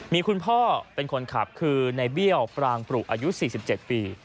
มีคุณพ่อเป็นคนขับคือในเบี้ยวปรางปรุอายุ๔๗ปี